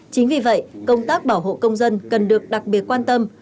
chính vì vậy công tác bảo hộ công dân cần được đặc biệt quan tâm